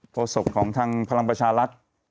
โศกของทางพลังประชารัฐ